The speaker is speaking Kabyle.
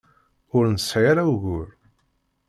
Ur nesɛi ara ugur.